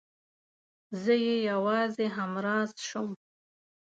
زه يې يوازې همراز شوم.